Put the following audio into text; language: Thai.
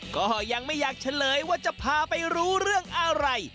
ก็ยังไม่อยากเฉลยว่าจะพาไปรู้เรื่องอะไร